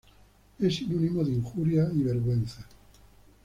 Es sinónimo de injuria y vergüenza.